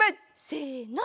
せの。